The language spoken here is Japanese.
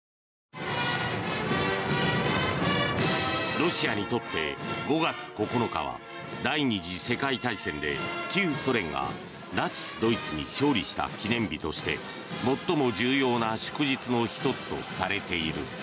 ロシアにとって５月９日は第２次世界大戦で旧ソ連がナチス・ドイツに勝利した記念日として最も重要な祝日の１つとされている。